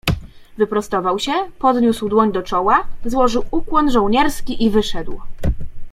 "Wyprostował się, podniósł dłoń do czoła, złożył ukłon żołnierski i wyszedł."